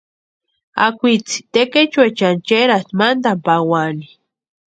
Akwitsi tekechuechani cherasïnti mantani pawani.